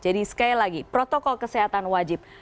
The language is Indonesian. jadi sekali lagi protokol kesehatan wajib